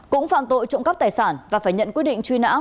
cũng phạm tội trộm cắp tài sản và phải nhận quyết định truy nã